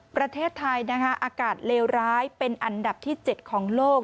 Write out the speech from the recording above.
ประเทศไทยนะคะอากาศเลวร้ายเป็นอันดับที่๗ของโลก